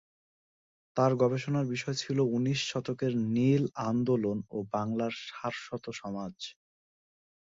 তার গবেষণার বিষয় ছিল 'ঊনিশ শতকের নীল আন্দোলন ও বাংলার সারস্বত সমাজ'।